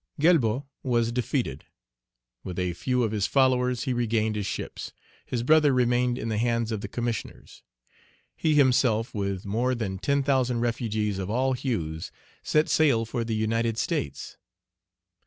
Galbaud was defeated. With a few of his followers, he regained his ships. His brother remained in the hands of the Commissioners. He himself, with more than ten thousand refugees of all hues, set sail for the United States.